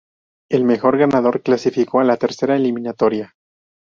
El mejor ganador clasificó a la tercera eliminatoria.